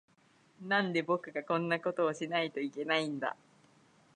なんで、僕がこんなことをしないといけないんだ。